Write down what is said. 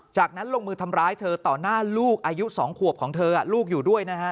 จากนั้นลงมือทำร้ายเธอต่อหน้าลูกอายุ๒ขวบของเธอลูกอยู่ด้วยนะฮะ